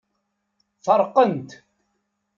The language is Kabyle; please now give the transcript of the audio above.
Feṛqen-t.